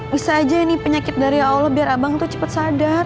bisa aja ini penyakit dari allah biar abang itu cepat sadar